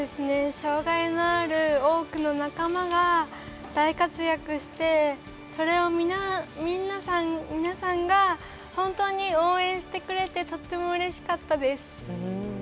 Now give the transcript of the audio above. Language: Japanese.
障がいのある多くの仲間が大活躍して、それを皆さんが本当に応援してくれて、とってもうれしかったです。